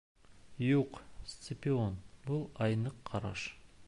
Юҡ, Сципион, был айныҡ ҡараш.